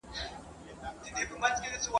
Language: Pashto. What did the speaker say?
کمزوري د نارينه نه